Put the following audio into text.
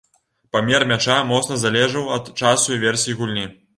Памер мяча моцна залежаў ад часу і версіі гульні.